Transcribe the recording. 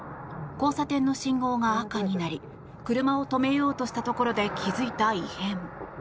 交差点の信号が赤になり車を止めようとしたところで気付いた異変。